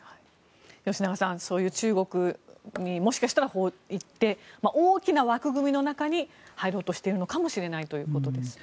吉永さん、そういう中国に、もしかしたら行って大きな枠組みの中に入ろうとしているのかもしれないということです。